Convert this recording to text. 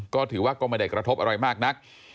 ก็ถือว่าก็ไม่ได้กระทบอะไรมากนัก